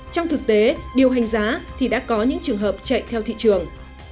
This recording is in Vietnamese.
trong thực tế điều hành giá thì đã có những trường hợp chạy theo thị trường